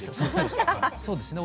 そうですね。